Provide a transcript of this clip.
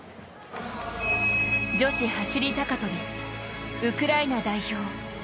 女子走高跳、ウクライナ代表。